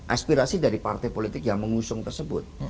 aspirasi dari partai politik yang mengusung tersebut